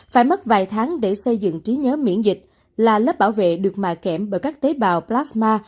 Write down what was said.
phải mất vài tháng để xây dựng trí nhớ miễn dịch là lớp bảo vệ được mà kém bởi các tế bào plasma